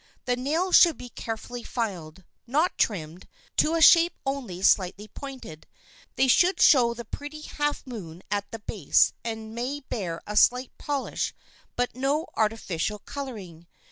The nails should be carefully filed—not trimmed—to a shape only slightly pointed, they should show the pretty half moon at the base and may bear a slight polish but no artificial coloring.